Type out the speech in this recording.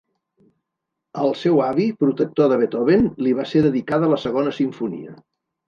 Al seu avi, protector de Beethoven, li va ser dedicada la Segona simfonia.